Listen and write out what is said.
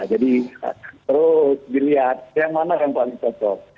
jadi terus dilihat yang mana yang paling cocok